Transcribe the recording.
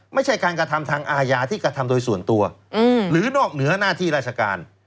ไม่ใช่การกระทำทางอาญาที่กระทำโดยส่วนตัวหรือนอกเหนือหน้าที่ราชการ